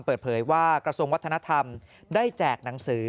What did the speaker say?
เปิดเผยว่ากระทรวงวัฒนธรรมได้แจกหนังสือ